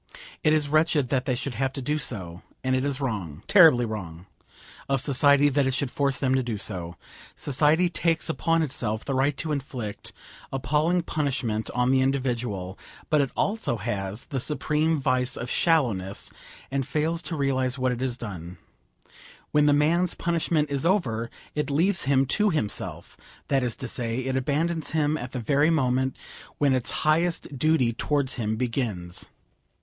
It is wretched that they should have to do so, and it is wrong, terribly wrong, of society that it should force them to do so. Society takes upon itself the right to inflict appalling punishment on the individual, but it also has the supreme vice of shallowness, and fails to realise what it has done. When the man's punishment is over, it leaves him to himself; that is to say, it abandons him at the very moment when its highest duty towards him begins.